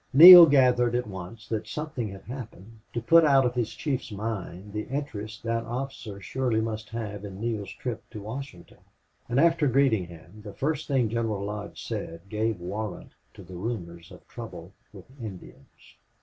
Neale gathered at once that something had happened to put out of his chief's mind the interest that officer surely must have in Neale's trip to Washington. And after greeting him, the first thing General Lodge said gave warrant to the rumors of trouble with Indians.